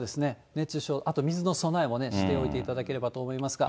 熱中症、あと水の備えもしておいていただければと思いますが。